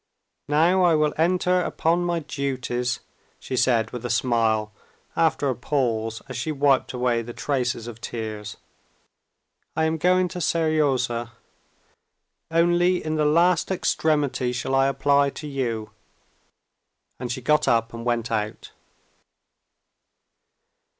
"Now I will enter upon my duties," she said with a smile after a pause, as she wiped away the traces of tears. "I am going to Seryozha. Only in the last extremity shall I apply to you." And she got up and went out.